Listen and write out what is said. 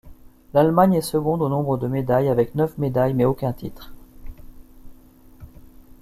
L'Allemagne est seconde au nombre de médailles avec neuf médailles mais aucun titre.